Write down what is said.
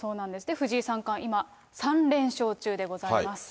藤井さんが今、３連勝中でございます。